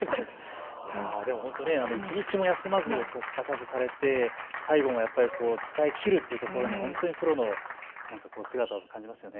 本当、一日も休まず、欠かさずされて最後もやっぱり伝えきるというところにプロの姿を感じました。